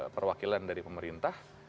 perwakilan dari pemerintah